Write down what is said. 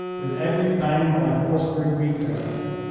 With every bound my horse grew weaker.